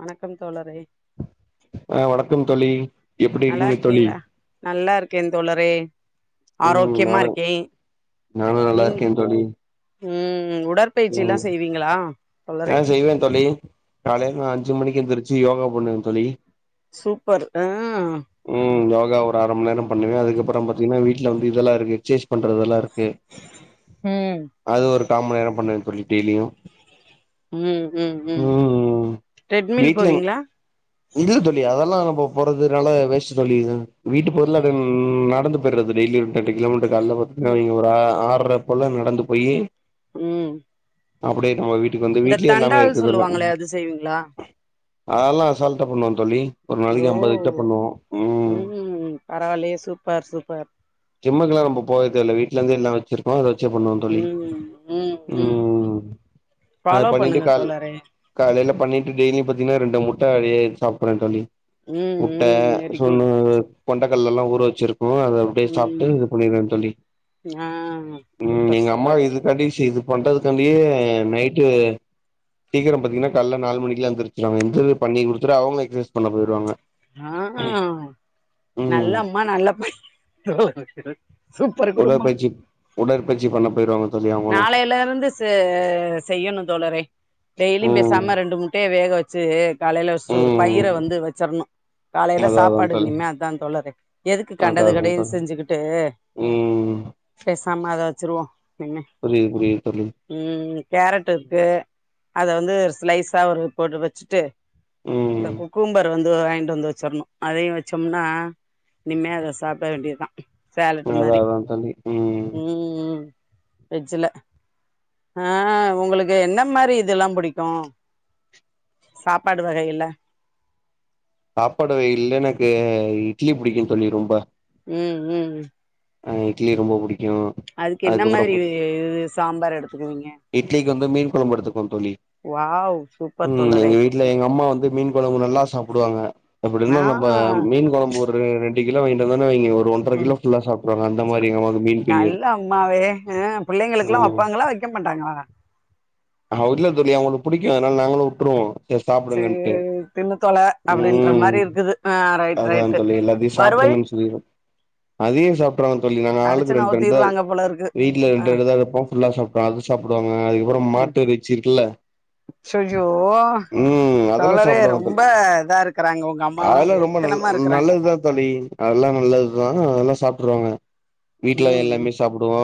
வணக்கம் தோழரே ஆ வணக்கம் தொழி எப்டி இருக்கீங்க தொழி நல்லாருக்கேன் தோழரே ம் ஆரோக்கியமா நானு இருக்கே நானு நல்லா நீங்க இருக்கே தோழி ‌ம் உடற்பயிற்சி எல்லா செய்வீங்களா? தோழரே ஆஹ் செய்வேன் தோழி காலைல நா அஞ்சு மணிக்கு எந்திருச்சு யோகா பண்ணுவே‌ தோழி சூப்பர் ஆ ம் யோகா ஒரு அர மண் நேரம் பண்ணுவே அதுக்கப்புறம் பாத்தீங்கன்னா வீட்டுல வந்து இதெல்லா இருக்கு எக்சசைஸ் பண்றதுல்லாம் இருக்கு. ம் அது ஒரு காமன் நேரம் பண்ணுவே டெய்லியும் ம் ம் ம் ட்ரெட்மில் வீட்லம் போவீங்களா இல்ல தொழி அதெல்லா நம்ப போறதுனால வேஸ்ட் தோழி வீட்டு போர்ல ப்டி ம் நடந்து பெர்றது டெய்லி ரெண்டு ரெண்டு கிலோமீட்டர் கால்ல ம் பாத்திங்கன்னா ஒரு ஆ ஆற போல நடந்து போய் ம் அப்டியே நம்ம வீட்டுக்கு வந்து இந்த வீட்லயே எல்லாமே தண்டால் இருக்குதெல்ல சொல்லுவாங்களே அது செய்வீங்களா அதெல்லா அசால்ட்டா பண்ணுவன் தோழி ஒரு ஓ நாளைக்கு அம்பது கிட்ட பண்ணுவோ ம் பரவாயில்லயே சூப்பர் சூப்பர் ஜிம்க்கல்லா‌ நம்ப போவே தேவயில்லா வீட்டுலருந்தே எல்லாம் வச்சிரு அத வெச்சே பண்ணுவன் தோழி ம் ம் ம் அத ஃபாலோ பண்ணிட்டு பண்ணுங்க கால் தோழரே காலைல பண்ணிட்டு டெய்லி பா‌த்தீ‌‌ங்கன்னா ரெண்டு முட்ட‌ அவியாயி சாப்பிடுறே தோழி ம் முட்ட ம் வெரி சொன்னு குட் கொண்டைக்கடல ல்லாம் ஊற வச்சிருக்கும் அத டே சாப்ட்டு ம் இது பண்ணிருவேன் தோழி ஆ ம் சூப்பர் எங்க அம்மா சூப்பர் இது [unintelligible] இது பண்றதுக்காண்டியே நைட்டு சீக்கிரோ பாத்தீங்கன்னா காலைல நாலு மணிக்கு எந்திருச்சுருவாங்க [unintelligible] பண்ணி குடுத்துட்டு அவங்க எக்சசைஸ் பண்ண போயிவாங்க ஆ நல்ல ம் அம்மா நல்ல பைய சூப்பர் குடும்பம் உடற்பயிற்சி உடற்பயிற்சி பண்ண போயிருவாங்க தோழி அவுங்களு நாளையில இருந்து செய்யணு தோழரே டெய்லியு ம் பேசாம ரெண்டு முட்டைய வேக வெச்சு காலையில வெச்சுட்டு ஒரு பயிர ம் வந்து வெச்சிறணு காலையில அதா அதா சாப்பாடு தோழி இனிமே அத்தா தோழரே எதுக்கு அதா கண்டது அதா கடியது தோழி செஞ்சுக்கிட்டு ம் பேசாம அத வெச்சிருவோ இனிமே புரியுது புரியுது தோழி ம் கேரட் இருக்கு அத வந்து ஸ்லைஸா ஒரு போட்டு வெச்சுட்டு இந்த ம் குக்கும்பர் வந்து வந்து வெச்சிறணு அதையு வெச்சோம்னா இனிமே அத சாப்பிட வேண்டியதுதா சேலட்டு் அதா மாரி அதா தோழி ம் ம் ஃபிரிஜ்ல ஆ உங்களுக்கு என்ன மாரி இதெல்லா பிடிக்கு சாப்பாடு வகைகள்ல சாப்பாடு வகைகள்ல எனக்கு இட்லி புடிக்கு தோழி ரொம்ப ம் ம் ஆ இட்லி ரொம்ப புடிக்கு அதுக்கு என்ன அதுக்கப்புறோ மாரி சாம்பார் எடுத்துக்குவீங்க இட்லிக்கு வந்து மீன் கொழம்பு எடுத்துக்குவே தோழி வாவ் சூப்பர் ம் தோழரே எங்க வீட்ல எங்க அம்மா வந்து மீன் கொழம்பு நல்லா சாப்டுவாங்க ம் அப்டியிருத்தாலு ஆ நம்ம மீன் கொழம்பு ஒரு ரெண்டு கிலோ வாங்கிட்டு வந்தோ வைய்ங்க ம் மீன் பிரியர் நல்ல அம்மாவே ஆ புள்ளைங்களுக்கெல்லா ம் வெப்பாங்களா வெ க்க மாட்டாங்ளா அப்டி இல்ல தோழி அவங்களுக்கு புடிக்கு அதனால நாங்களு விட்ருவோ சாப்டுங்கன்ட்டு சேரி தின்னு தொல அப்டின்ற ம் மாரி இருக்குது ஆ ரைட் அதா ரைட்டு தோழி எல்லாத்தையு வறுவல் சாப்டுங்க சொ [unintelligible] அதையு சாப்ட்ருவாங்க தோழி நாங்க அடிச்சு ஆளுக்கு ரெண்டு ரெண்டு நவுத்திருவாங்க போல இருக்கு வீட்ல ஆ ரெண்டு ரெண்டுதா எடுப்போ ஃபுல்லா சாப்டுவாஅது சாப்டுவாங்க அதுக்கப்றோ மாட்டிறைச்சி இருக்குல்ல ஐயய்யோ ம் அதெல்லா தோழரே சாப்டுவாங்க ரொம்ப தோழி இதா இருக்கறாங்க உங்க அம் அதெல்லா ரொம்ப நல்ல நல்லதுதா தோழி அதெல்லா நல்லதுதா அதெல்லா சாப்ட்டுவாங்க வீட்லா ம் ம் எல்லாமே சாப்டு வோ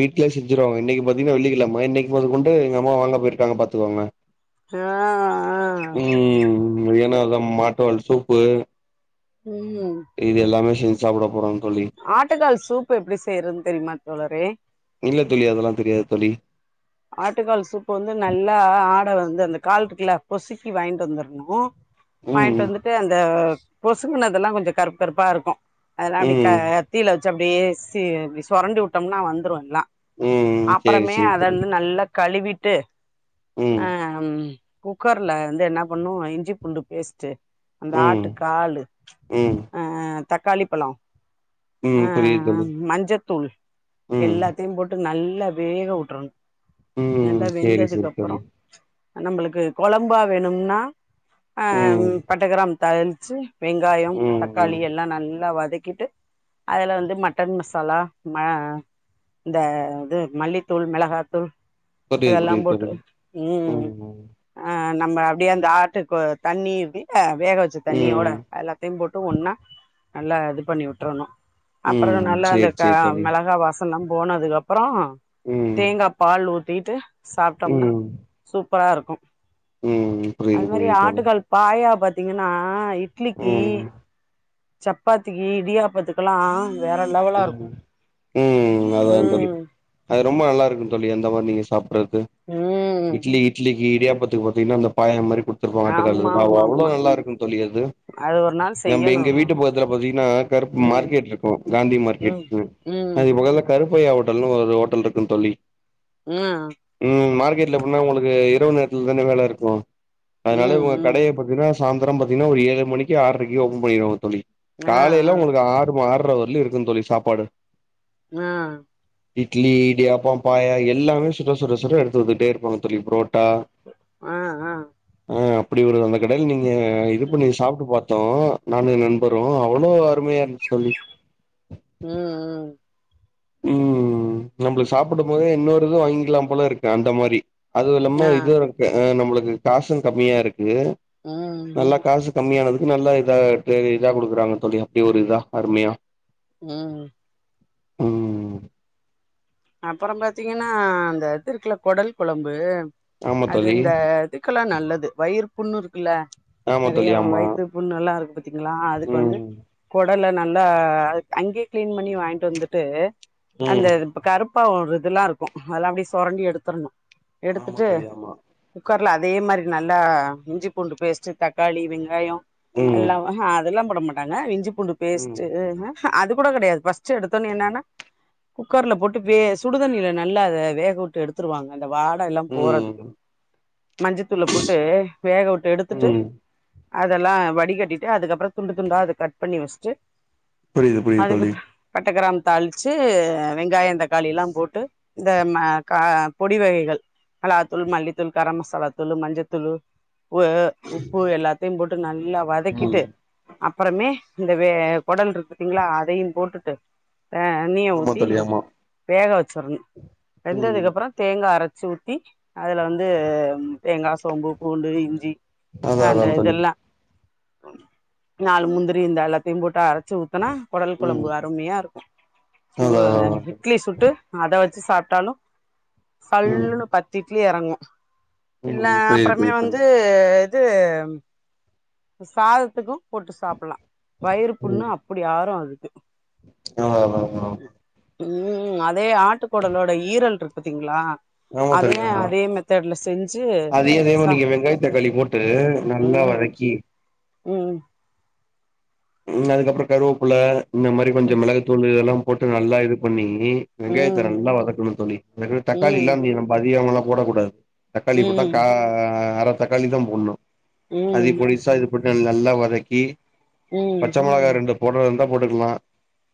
வீட்லயே செஞ்சுருவங்க இன்னிக்கு பாத்தீங்கன்னா வெள்ளி கெழம இன்னிக்கு மொதக்கொ ண்டு எங்க அம்மா வாங்க போயிருக்காங்க பாத்துக்கோங்க ஆ ஆ நிம்மதியான அதா மாட்டு வால் சூப்பு ம் இதெல்லாமே செஞ்சு சாப்ட போறோ தோழி ஆட்டுக்கால் சூப் எப்டி செய்யறதுன்னு தெரியுமா தோழரே இல்ல தோழி அதெல்லா தெரியாது தோழி ஆட்டுக்கால் சூப்பு வந்து நல்லா ஆட வந்து அந்த கால் இருக்குல பொசுக்கி வாங்க்ட்டு வந்துரணு ம் வாங்கிட்டு வந்துட்டு அந்த பொசுகுனதெல்லா கொஞ்சோ கருப்பு கருப்பா இருக்கு அதெல்லா அப்டி க ம் தீல வெச்சு அப்டியே சொரண்டி விட்டோம்னா வந்துரு எல்லா ம் சேரி அப்பறமே சேரி தோழி நல்லா கழுவிட்டு ம் ஆ குக்கர்ல வந்து என்ன பண்னணு இஞ்சி பூண்டு பேஸ்ட் அந்த ம் ஆட்டு காலு ம் அ அ தக்காளி பழோ அ ம் புரியுது ஆ தோழி மஞ்சத்தூள் ம் எல்லாத்தையு போட் நல்லா வேக விட்றனு ம் நல்லா சேரி வெந்ததுக்கு சேரி அப்றோ தோழி நம்மளுக்கு கொழம்பா வேணும்னா அ ம் பட்டக்கிராம் தாளிச்சு வெங்காயம் தக்காளி ம் எல்லா நல்லா வதக்கிட்டு அதுல வந்து மட்டன் மசாலா ம அ இந்த இது மல்லித்தூள் மெளகாத்தூள் ம் இது புரியுது எல்லா புரியுது போட்டு தோழி ம் ஆ நம்ம அப்டியே அந்த ஆட்டுக்கு தண்ணி இருக்குல்ல வேக வச்சு ச்ச தண்ணியோட ம் எல்லாத்தையு போட்டு ஒன்னா நல்லா இது பண்ணி விட்றணு அப்றோ ம் நல்லா அந்த சேரி கா சேரி தோழி மெளகா வாச சல்லாம் போனதுக்கப்றோ ம் தேங்கா பால் ஊத்திட்டு சாப்டம்னா ம் சூப்பரா இருக்கு ம் அது புரியுது மாரி புரியுது தோழி ஆட்டுகால் பாயா பாத்தீங்கன்னா இட்லிக்கி ம் சப்பாத்திக்கி இடியாப்பத்துக்கல்லா வேற லெவலா இருக்கு ம் ம் அதா தோழி ம் அது ரொம்ப நல்லா இருக்கு தோழி அந்த மாரி நீங்க சாப்புறதுக்கு ம் இட்லி இட்லிக்கி இடியாப்பத்துக்கு பாத்தீங்கன்னா அந்த பாய மாரி குடுத் த்துருப்பாங்க ஆமா ஆட்டுக்காலு ஆமா சாப்புடுவோ அவ்ளோ ஆமா நல்லா இருக்கு தோழி அது அது ஒரு நாள் நம்ப செய்யணு எங்க வீட்டு பக்கத்துல பாத்தீங்கன்னா கருப்பு ம் மார்க்கேட் இருக்கு காந்தி ம் மார்கெட்னு ம் அதுக்கு பக்கத்துல கருப்பையா ஹோட்டல்னு ஒரு ஹோட்டல் இருக்கும் தோழி இன்னா ம் மார்க்கெட்ல ஃபுல்லா உங்களுக்கு இரவு நேரத்துல தான வேல இருக்கு அதுனால ம் இவுங்க ம் கடைய பாத்தீங்னா சாந்த்ரோ பாத்தீங்கன்னா ஒரு ஏழு மணிக்கு ஆறுரைக்கி ஓபன் பண்ணிடுவாங்க தோழி ஆ காலையில உங்களுக்கு ஆறு மா ஆறு இட்லி இருக்குந் தோழி சாப்பாடு நா இட்லி இடியாப்பம் பாயா எல்லாமே சுட சுட சுட எடுத்து வந்துகிட்டே இருப்பாங்க தோழி புரோட் ட்டா ஆ ஆ ஆ ம் அப்டி ஒரு அந்த கடையில நீங்க இது பண்ணி ம் சாப்புட்டு பாத் த்தோ நானு ஏ நண்பரு அவ்ளோ அருமையா இருந்துச்சு தோழி ம் ம் ம் நம்பளுக் சாப்புடும் போதே இன்னொரு இது வாங்கிக்கலா போல இருக்கு அந்த மாரி அதுவு இல்லாம ஆ இது நம்மளுக்கு காசு கம்மியா இருக்கு ம் நல்லா காசு கம்மியானதுக்கு நல்லா இதாக ட்ரே இதா குடுக்குறாங்க தோழி அப்டி ஒரு இதா அருமையா ம் ம் ம் அப்பறம் பாத்தீங்கன்னா அந்த இது இருக்குல கொடல் கொழம்பு ஆமா அது தோழி இந்த இதுக் க்குலா நல்லது வயிறு புண்ணு இருக்குல்ல ஆமா நெறையா தோழி ஆமா வயித்து புண்ணெல்லா இருக்கு பாத்தீங்களா அதுக்கு வந்து ம் குடல்ல நல்லா அங்கயே கிளீன் பண்ணி வாங்கிட்டு வந்துட்டு அந்த ம் கருப்பு ப்பா ஒரு இதெல்லா இருக்கு அதெல்லா அப்டியே சொரண்டி எடுத்துர்ணு ஆமா எடுத்துட்டு தோழி ஆமா குக்கர்ல அதே மாரி நல்லா இஞ்சி பூண்டு பேஸ்ட்டு தக்காளி வெங்காயோ ம் எல்லாம் ஆ ஹ அதுல்லா போட மாட்டாங்க இஞ்சி பூண்டு ம் பேஸ்ட்டு என்ன அது கூட கேடையாது ஃபர்ஸ்ட் எடுத்த என்னோனா குக்கர்ல போட்டு வே சுடுதண்ணில நல்லா அத வேக விட்டு எடுத்துருவாங்க அந்த வாட எல்லா போறதுக்கு ம் மஞ்சத்தூள போட்டு வேக விட்டு எடுத்துட்டு ம் அதெல்லா வடிகட்டிட்டு அதுக்கப்றோ துண்டு துண்டா அத கட் பண்ணி வெச்சுட்டு புரியுது புரியுது தோழி அதுக்கப்றோ பட்டகிராம்பு தாளிச்சு வெங்காயோ தக்காளியெல்லாம் போட்டு இந்த ம க பொடி வகைகள் மெளகாத்தூள் மல்லித்தூள் கர மசாலாத்தூள் மஞ்சத்தூள் உ உப்பு எல்லாத்தையும் போட்டு நல்லா ம் வதக்கிட்டு அ ப்றமே இந்த வே கொடல் இருக்கு பாத்தீங்ளா அதையும் போட்டுட்டு அ ஆமா தோழி ஆமா வேக வெச்சிரணு ம் வெந்ததுக்கப்றோ தேங்கா அரச்சு ஊத்தி அதுல வந்து தேங்கா, சோம்பு, பூண்டு, இஞ்சி அதா அந்த அதா தோழி இதெல்லா நாலு முந்திரி இந்த எல்லாத்தையும் போட்டு அ ரச்சு ஊத்துனா குடல் ம் கொழம்பு அருமயா இருக்கு அதா அதா அதா இட்லி சுட்டு அத வெச்சு சாப்ட்டாலு ம் சல்லுனு பத்து இட்லி எறங்கு இல்ல ம் புரியுது அப்றமே புரியுது தோழி வந்து இது சாதத்துக்கும் போட்டு சாப்ல்லா வயிறு புண்ணு அப்டி ஆறு அதுக்கு ஆ ம் அதே ஆட்டுகொடலோட ஈரல் இருக்கு பாத்தீங்ளா ஆமா தோழி அதே ஆமா அதே மெத்தெட்ல செஞ்சு அதே இதேமா சா நீங்க வெங்காய தக்காளி போட்டு நல்லா ம் வதக்கி ம் ம் அதுக்கப்றோ கருவேப்புல இந்த மாரி கொஞ்சோ ம் மெளகுத்தூள் இதெல்லாம் போட்டு நல்லா இது பண்ணி வெங்காயத்த ம் நல்லா வதக்கணு தோழி அதுக்குன்னு தக்காளி ம் இல்லாம நீ ரொம்ப அதிகமல்லா போடக்கூடாது தக்காளி போட்டா கா ம் அரை தக்காளிதான் போடுணு ம் அதை ம் பொடிசா இது போட்டு நல்லா வதக்கி ம் பச்ச மெளகா ரெண்டு போடுறதா இருந்தா போட்டுக்கலா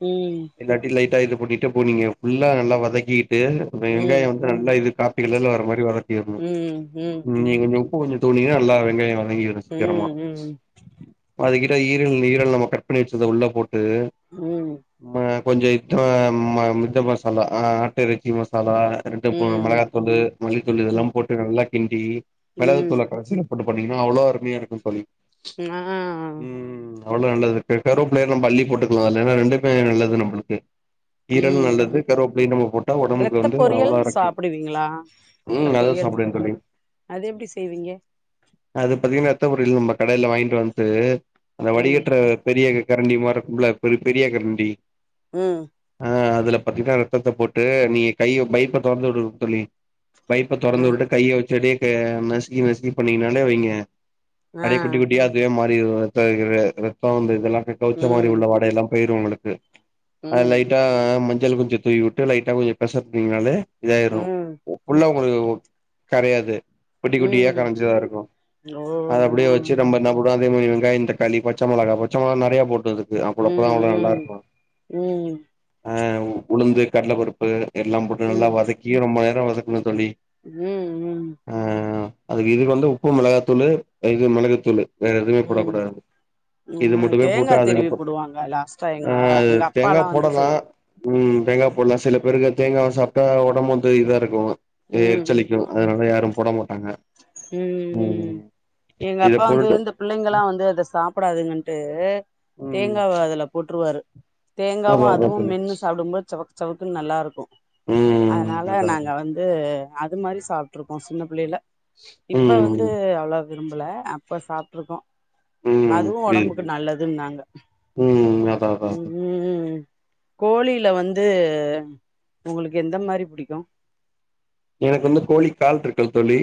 ம் இல்லாட்டி லைட்டா இது பண்ணிட்டு போனீங் ஃபுல்லா நல்லா வதக்கிக்கிட்டு வெங்காயோ நல்லா இது காப்பிகலர்ல வர்ற மாரி வதக்கிர்னு ம் ம் ம் ம் ம் நீங்க [unintelligible] உப்பு கொஞ்சோ தூவினீங்னா நல்லா வெங்காயோ வதங்கிரு சீக்கிரமா அதுகிட்ட ஈ ரல் ஈரல் நம்ம கட் பண்ணி வெச்சத உள்ள போட்டு ம் கொஞ்சோ இதா ம இந்த மசாலா ஆட்ட இறச்சி மசாலா ம் ம் கரட்டுபோன ம் மெளகாத்தூளு மல்லித்தூளு இதெல்லாம் போட்டு நல்லா கிண்டி மெளகுத்தூள ம் கடைசில போட்டு பண்ணீங்கன்னா அவ்ளோ அருமயா இருக்கு தோழி ஆ ம் அவ்ளோ நல்லது கருவேப்பில இல்ல மல்லி போட்டுக்கலா அதுல ஏனா ரெண்டுமே நல்லது நம்மளுக்கு ஈரல் ம் நல்லது ம் கருவேப்பிள்ளயும் நம்ம போட்டா ஒடம்புக்கு ரத்த வந்து பொரியல் அவ்ளோ இருக்கு சாப்பிடுவீங்களா ரத்த ம் நல்லா பொரியல் சாப்டுவேன் தோழி அது எப்டி செய்வீங்க? அது பாத்தீங்கனா ரத்த பொரியல் நம்ம கடைல வாங்கிட்டு வண்டு அந்த ம் வடிகற்ற பெரிய கரண்டி மாருக்குமல்ல கொஞ்சோ பெ பெரிய கரண்டி ம் ஆ அதுல பாத்தீங்கன்னா ரத்தத போட்டு நீங்க கைய பைப்ப தொறந்து விடனு தோழி பைப்ப அ தொரந்து வுட்டுட்டு கைய வச்சடியே க நசுக்கி நசுக்கி பண்ணீங்னாலே வைங்க ஆ அப்டியே குட்டி குட்டியா அதுவே மாறி ரத்தொ இது ரத்தொ அந்த இதெல்லா கவுச்ச மாரி உள்ள ம் வாடையெல்லா எ பேயிரு உங்களுக்கு அது ம் லைட்டா மஞ்சள் கொஞ்ச தூவி வுட்டு லைட்டா கொஞ்ச பெசப் னிங்கனாலே இதாயிரு ம் புல்லா உங்களுக்கு கரையாது குட்டி குட்டியா ம் கரஞ்சதா இருக்கூ ஓ அத அப்டியே ம் வச்சு நம்ம என்ன போடுவோ அதே மாரி வெங்காயந் தக்காளி பச்ச மொளகா பச்ச மொளகா நறைய போட்டுது து அவ்ளப்பதா அவ்வள நல்லா ம் இருக்கூ ம் ம் ஆ உளுந்து கட்ல பருப்பு பு எல்லாம் போட்டு நல்லா வதக்கி ரொம்ப நேரோ வதக்குணு தோழி ம் ம் ஆ அதுக்கு இதுக்கு வந்து உப்பு மெளகாத்தூளு இது மிளகுத்தூளு வேற எதுவுமே ம் போடக்கூடாது இது ம் மட்டுமே போட்டு தேங்கா திருவி அதுக்கப்புற போடுவாங்க லாஸ்ட்டா எங்க ஆ எங்க தேங்கா அப்பால்லா வந்து போடலா செய்வாங்க ம் தேங்காய் போட்லா சில பேருக்கு தேங்கா சாப்ட்டா ஒடம்பு வந்து இதா இருக்கூ ம் ம் எரிச்சலிக்கூ அதனால யாரும் போட மாட்டாங்க ம் ம் எங்க இத அப்பா வந்து போட்டுட்டு இருந்தப் பிள்ளைங்களா வந்து அத சாப்பிடாதுங்கட்டு ம் தேங்காவ அதுல போட்ருவாரு தேங்காவு அதா அதா அதுவு தோழி மென்னு சாப்டும்போது சவக்கு சவக்குன்னு நல்லாருக்கூ ம் அதனால அதா நாங்க வந்து அது மாரி சாப்ட்டுருக்கோ சின்ன புள்ளையில இப்ப வந்து ம் அவ்வளவா விரும்பல அப்ப சாப்ட்டுருக்கோ ம் அதுவு ஒடம்புக்கு புரியுது நல்லதுன்னாங்க ம் அதா அதா ம் கோழில வந்து உங்களுக்கு எந்த மாரி புடிக்கூ எனக்கு வந்து கோழி கால்ருக்குல்ல தோழி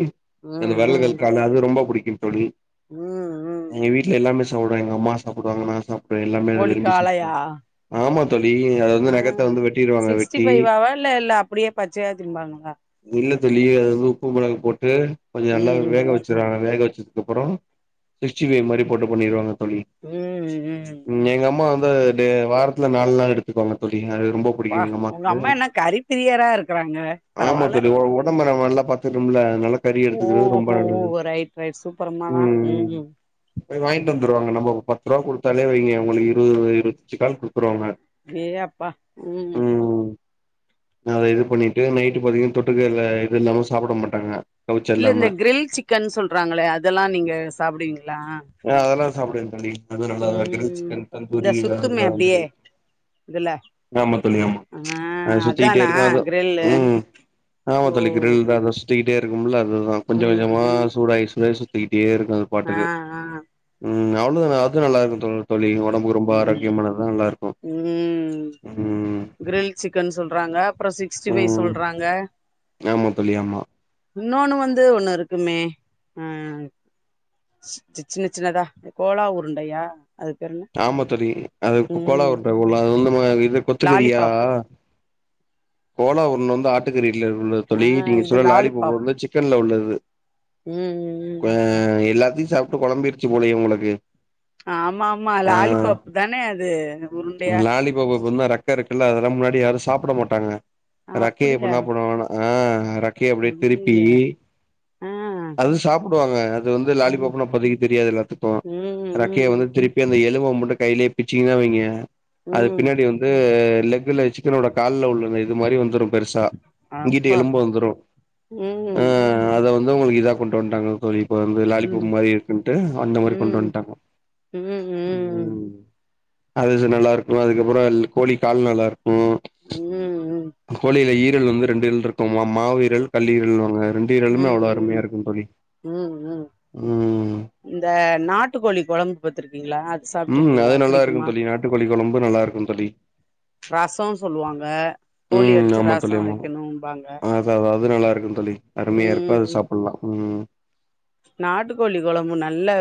அந்த ம் ம் விரல்கள் கால் அது ரொம்ப புடிக்கும் தோழி ம் ம் எங்க வீட்ல எல்லாமே சாப்டுவாங்க எங்க அம்மா சாப்டுவாங்க நா சாப்டுவே எல்லாமே கோழி விரும்பி காளையா சாப்டுவாங்க ஆமா தோழி இங்க அத ஆ வந்து நகத்த வந்து வெட்டிருவாங்க சிக்ஸ்டி வெட்டி ஃபைவாவா இல்ல இல்ல அப்டியே பச்சையா திம்பாங்களா இல்ல தோழி அத வந்து உப்பு மெளகு போட்டு கொஞ்ச நல்லா ம் வேக வச்சு த்ரா வேக வச்சதுக்கு அப்பறோ சிக்ஸ்டி ஃபை மாரி போட்டு பண்ணிருவாங்க தோழி [unintelligible] எங்க அம்மா வந்து அது டே வாரத்துல நால் நாள் எடுத்துக்குவாங்க தோழி அது ரொம்போ ப்பா உங்க அம்மா என்ன கறி ப்ரியரா இருக்றாங்க ஆமா பரவால்ல தோழி ஒ ஒடம்ப நம்ம நல்லா பாத்துரும்ல நல்லா கறி எடுத்துக்கிறது ரொம்ப ஓஹோ நல்லது ரைட் ரைட் சூப்பரம்மா தா ம் போய் வாங்ட்டு வந்துருவாங்க நம்ம பத்து ரூவா குடுத்தாலே வைங்க உங்களுக்கு இருவது இருவத்தஞ்சி கால் குடுத்துருவாங்க ஏ அப்பா ம் அத இது பண்ணிட்டு நைட்டு பாத்தீங்கன் தொட்டுக்கல்ல இது இல்லாம சாப்ட மாட்டாங்க கவுச்ச இல்ல இந்த இல்லாம க்ரில் சிக்கன் சொல்றாங்களே அதெல்லா நீங்க சாப்டுவீங்க ஆ அதெல்லா சாப்டுவே தோழி அதுவு நல்லாதா கிரில் ம் சிக்கன் இந்த தந்தூரி இதெல்லா சுத்துமே நல்லாருக்கூ தோழி அப்டியே இதுல ஆமா தோழி ஆமா ஆ அது சுத்திக்கிட்டே அதானா இருக்கூ அத கிரில்லு ம் ஆமா ஓ தோழி கிரில் தா எதோஸ் சுத்திக்கிட்டே இருக்கும்ல அதுதா கொஞ்ச ம் கொஞ்சமா ம் சூடாயி சூடாய் சுத்திக்கிட்டே இருக்கு அது ஆ பாட்டுக்கு ஆ ம் அவ்ளோ தா அது நல்லா இருக்கு தோழி ஒடம்புக்கு ரொம்ப ம் ஆரோக்கியமா அது நல்லா இருக்கூ ம் க்ரில் சிக்கன் சொல்றாங்க அப்பறோ சிக்ஸ்டி ஃபைவ் ம் சொல்றாங்க ஆமா தோழி ஆமா இன்னொன்னு வந்து ஒன்னு இருக்குமே அ சி சின்ன சின்னதா கோலா உருண்டையா அது பேரு என்ன ஆமா தோழி அது கோலா ம் உருண்ட போலா அது வந்து இ கொத்துக்கறியா லாலிபாப்பு கோலா உருண்ட வந்து ஆட்டுக்கறி இல்ல உள்ள ஆ தோழி நீங்க இது சொன்ன லாலிபாப்பு லாலிபாப் வந்து சிக் சிக்கன்ல உள்ளது ம் ம் ம் அ எல்லாத்தையு சாப்டு கொழம்பிருச்சு போலயே உங்களுக்கு ஆம்மாமா லாலிபப் தானே அது உருண்டையா லாலிபாப் இப்பந்தா ரெக்க இருக்குல்ல அதெல்லாம் முன்னாடி யாரு சாப்புட மாட்டாங்க ரக்கைய அப்டியா இப்பண்ணா பண்ணுவாங்கனா ஆ ரக்கி அப்டியே திருப்பி ஐய்யய்ய ஆ அது சாப்டுவாங்க அது வந்து ம் லாலிபப்னா இப்பதிக்கு தெரியாதுல எல்லாத்துக்கு ம் ரக்கைய ம் வந்து திருப்பி அந்த எலும்ப மட்டு கைலயே பிச்சீங்கனா வைங்க அது ம் பின்னாடி வந்து லெக்குல சிக்கனோட கால்ல உள்ள இது மாரி வந்துரு பெருசா இங்கிட்டு அப்பா எலும்பு வந்துரு ம் ம் அத வந்து உங்களுக்கு இதா கொண்டு வந்துட்டாங்க தோழி இப்ப வந்து லாலிபப்பு மாரி இருக்குன்ட்டு அந்த ம் மாரி கொண்டு ம் வந்ட்டாங்க ம் இது நல்லாருக்குன் அதுக்கப்றோ கோழி கால் நல்லாருக் ம் கோழில ஈரல் வந்து ரெண்டு ஈரல் இருக் குத மாவு ஈரல் கல்லீரல்வாங்க ரெண்டு ஈரலுமே அவ்ளோ ம் அருமையா இருக்கு தோழி ம் ம் ம் இந்த நாட்டுக்கோழி கொழம்பு பத்துருக்கீங்களா அது அது சாப்ட்டுருக்கீங்ளா நல்லா புடிக்கு ம் தோழி நாட்டுக்கோழி கொழம்பு நல்லாருக்கு தோழி ரசோ சொல்லுவாங்க கோழி அடிச்சு ரசோ வெக்கணுபாங்க அதாவது நல்லாருக்கு தோழி அருமையா இருக்கு அது சாப்பட்லா ம் நாட்டுக்கோழி கொழம்பு நல்லாருக்